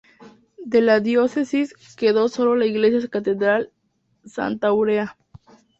De la diócesis quedó solo la iglesia catedral Santa Áurea.